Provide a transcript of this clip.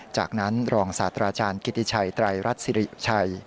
จากนั้นรองศาสตราจารย์กิติชัยไตรรัฐสิริชัย